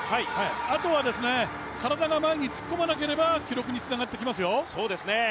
あとは、体が前に突っ込まなければ記録につながってきますよ。